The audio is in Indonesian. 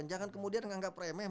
jangan kemudian menganggap remeh